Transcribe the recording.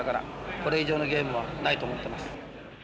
これ以上のゲームはないと思ってます。